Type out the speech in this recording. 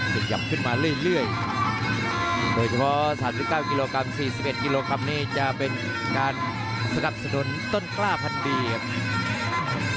ตั้ง๔๑กิโลกรัมนี่จะเป็นการสะดดสะดดนต้นคร่าพันธุ์ดีครับ